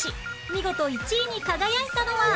見事１位に輝いたのは